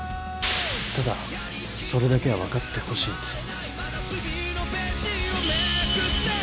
「ただそれだけは分かってほしいんです」